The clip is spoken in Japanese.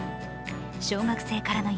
小学生からの夢